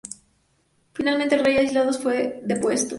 Finalmente el rey aislado fue depuesto.